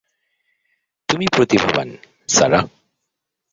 তুমি প্রতিভাবান, সারাহ।